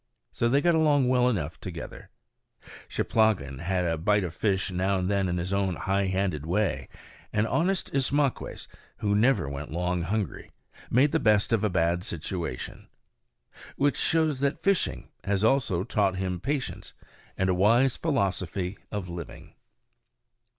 So they got along well enough together. Cheplahgan had a bite of fish now and then in his own high handed way; and honest Ismaques, who never went long hungry, made the best of a bad situation. Which shows that fishing has also taught him patience, and a wise philosophy of living.